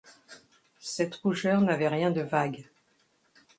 Cette rougeur n’avait rien de vague.